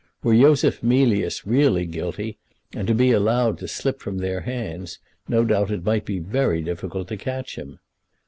Were Yosef Mealyus really guilty and to be allowed to slip from their hands, no doubt it might be very difficult to catch him.